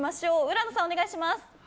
浦野さん、お願いします。